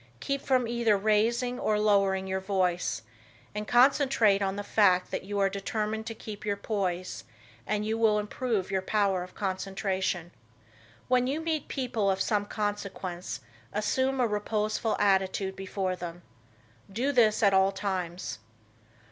Keep from either raising or lowering your voice and concentrate on the fact that you are determined to keep your poise, and you will improve your power of concentration. When you meet people of some consequence, assume a reposeful attitude before them. Do this at all times.